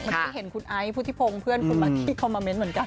เหมือนที่เห็นคุณไอท์พุทธิพงศ์เพื่อนคุณหลักที่เข้ามาเม้นเหมือนกัน